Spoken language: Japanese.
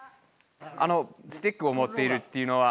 スティックを持っているっていうのは。